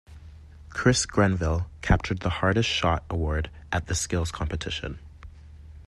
Chris Grenville captured the hardest shot award at the skills competition.